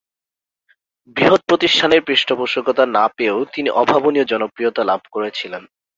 বৃহৎ প্রতিষ্ঠানের পৃষ্ঠপোষকতা না পেয়েও তিনি অভাবনীয় জনপ্রিয়তা লাভ করেছিলেন।